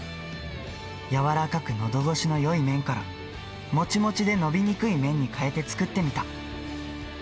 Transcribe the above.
柔らかくのどごしのよい麺から、もちもちで伸びにくい麺に変えて作ってみた。